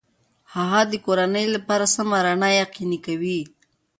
هغه د کورنۍ لپاره سمه رڼا یقیني کوي.